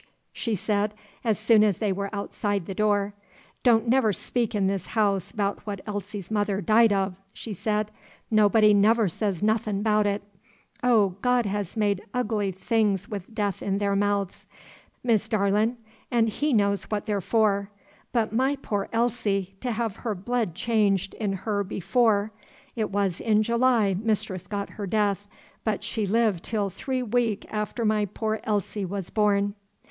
she said, as soon as they were outside the door. "Don' never speak in this house 'bout what Elsie's mother died of!" she said. "Nobody never says nothin' 'bout it. Oh, God has made Ugly Things wi' death in their mouths, Miss Darlin', an' He knows what they're for; but my poor Elsie! to have her blood changed in her before It was in July Mistress got her death, but she liv' till three week after my poor Elsie was born."